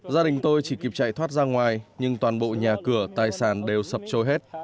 gia đình tôi chỉ kịp chạy thoát ra ngoài nhưng toàn bộ nhà cửa tài sản đều sập trôi hết